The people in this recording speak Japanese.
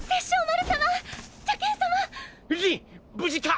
無事か！